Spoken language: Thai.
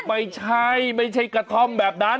ไม่ใช่ไม่ใช่กระท่อมแบบนั้น